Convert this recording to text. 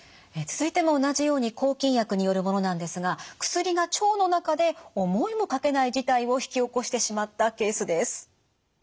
続いても同じように抗菌薬によるものなんですが薬が腸の中で思いもかけない事態を引き起こしてしまったケースです。